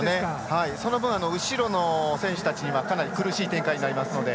その分、後ろの選手たちは苦しい展開になりますので。